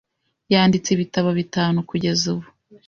Yanditse ibitabo bitanu kugeza ubu.